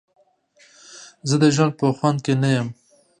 زه د ژوند په خوند کې نه یم.